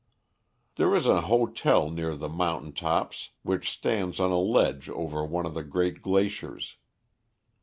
There is an hotel near the mountain tops which stands on a ledge over one of the great glaciers.